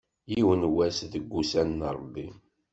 Yiwen wass, deg ussan n Ṛebbi.